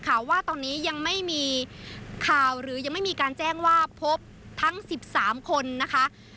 ข่าวว่าตอนนี้ยังไม่มีข่าวหรือยังไม่มีการแจ้งว่าพบทั้ง๑๓คนนะคะ